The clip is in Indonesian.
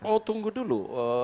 oh tunggu dulu